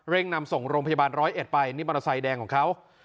นำส่งโรงพยาบาลร้อยเอ็ดไปนี่มอเตอร์ไซค์แดงของเขา